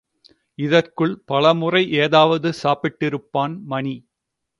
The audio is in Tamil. இதற்குள் பலமுறை ஏதாவது சாப்பிட்டிருப்பான் மணி.